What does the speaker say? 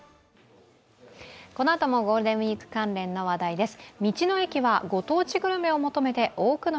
このあともゴールデンウイーク関連の話題です。